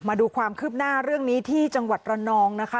มาดูความคืบหน้าเรื่องนี้ที่จังหวัดระนองนะคะ